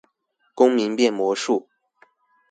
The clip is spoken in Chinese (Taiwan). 公民變魔術